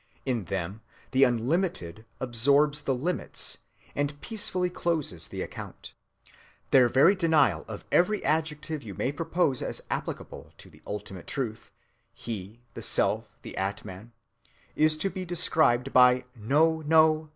In them the unlimited absorbs the limits and peacefully closes the account. Their very denial of every adjective you may propose as applicable to the ultimate truth,—He, the Self, the Atman, is to be described by "No! no!"